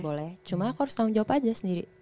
boleh cuma aku harus tanggung jawab aja sendiri